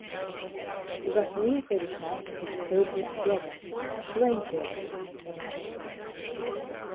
The referee for this match was Hildreth's brother, Dwayne Hildreth.